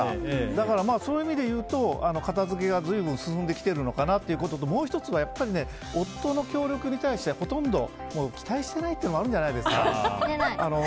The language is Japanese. だから、そういう意味でいうと片付けがずいぶん進んできているのかなということともう１つは、やっぱり夫の協力に対して、ほとんど期待していないというのがあるんじゃないですか。